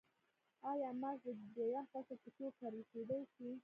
آیا ماش د دویم فصل په توګه کرل کیدی شي؟